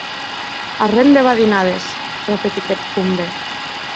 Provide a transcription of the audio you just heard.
Arren de badinades!, repetic eth comde.